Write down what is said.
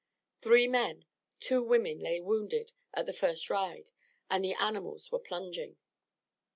Three men, two women lay wounded at the first ride, and the animals were plunging.